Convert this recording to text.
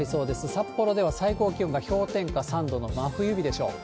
札幌では氷点下３度の真冬日でしょう。